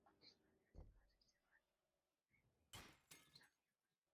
Otis no le hace caso y se va a divertir con sus amigos.